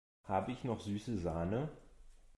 Habe ich noch süße Sahne?